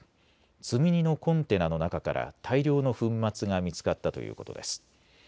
積み荷のコンテナの中から大量の粉末が見つかったということです。